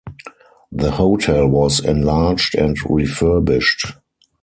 The hotel was enlarged and refurbished.